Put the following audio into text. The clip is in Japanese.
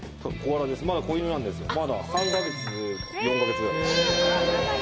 まだ子犬なんですよまだ３か月４か月ぐらいですえ！